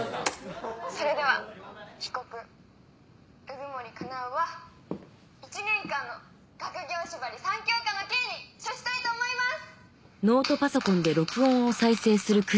それでは被告鵜久森叶は１年間の学業縛り３教科の刑に処したいと思います！